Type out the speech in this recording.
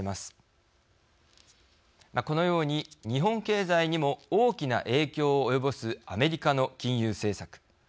このように日本経済にも大きな影響を及ぼすアメリカの金融政策。